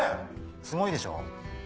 すごいでしょ？